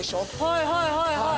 はいはいはいはい。